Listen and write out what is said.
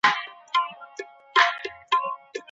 رواني روغتیا د ښه زده کړي لپاره اړینه ده.